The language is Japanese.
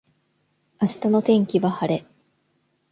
明日の天気は晴れ